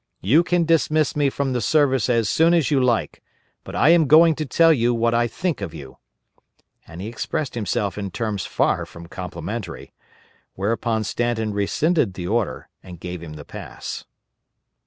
You can dismiss me from the service as soon as you like, but I am going to tell you what I think of you,"_ and he expressed himself in terms far from complimentary; whereupon Stanton rescinded the order and gave him the pass.